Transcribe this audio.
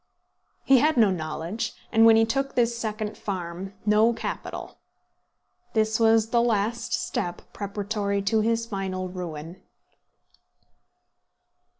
He had no knowledge, and, when he took this second farm, no capital. This was the last step preparatory to his final ruin.